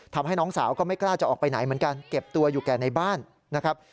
ทำให้น้องสาวก็ไม่กล้าจะออกไปไหนเหมือนกันเก็บตัวอยู่แก่ในบ้านนะครับ